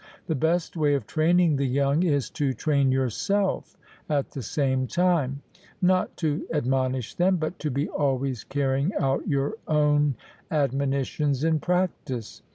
The best way of training the young is to train yourself at the same time; not to admonish them, but to be always carrying out your own admonitions in practice.